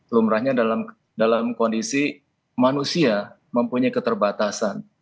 lumrahnya dalam kondisi manusia mempunyai keterbatasan